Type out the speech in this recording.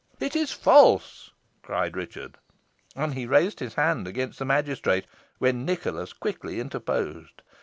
"It is false!" cried Richard. And he raised his hand against the magistrate, when Nicholas quickly interposed.